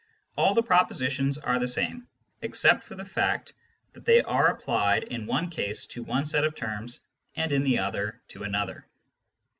all the propositions are the same, except for the fact that they are applied in one case to one set of terms and in the other to another.